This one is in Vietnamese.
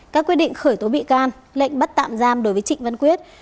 các quyết định khởi tố bị can lệnh bắt tạm giam đối với trịnh văn quyết